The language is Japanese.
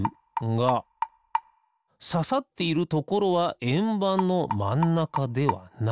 がささっているところはえんばんのまんなかではない。